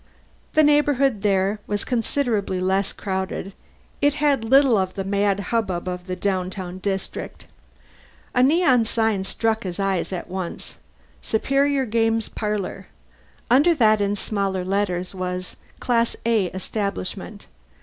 The neighborhood they were in was considerably less crowded; it had little of the mad hubbub of the downtown district. A neon sign struck his eyes at once: SUPERIOR GAMES PARLOR. Under that in smaller letters was: CLASS A ESTABLISHMENT.